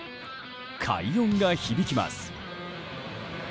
快音が響きます。